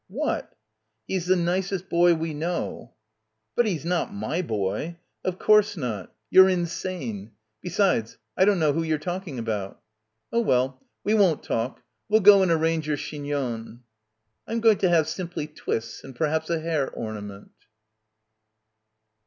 "What?" "He's the nicest boy we know." "But he's not my boy. Of course not. You're insane. Besides, I don't know who you're talking about." "Oh, well, we won't talk. We'll go and ar range your chignon." "I'm going to have simply twists and perhaps a hair ornament."